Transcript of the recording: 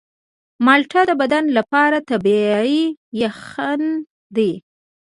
مالټه د بدن لپاره طبیعي یخن دی.